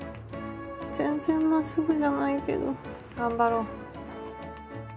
全然まっすぐじゃないけど頑張ろう。